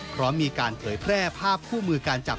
พร้อมมีการเผยแพร่ภาพคู่มือการจับ